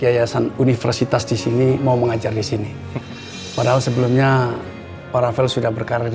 yayasan universitas disini mau mengajar disini padahal sebelumnya paravel sudah berkarir di